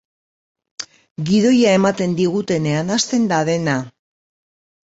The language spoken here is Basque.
Gidoia ematen digutenean hasten da dena.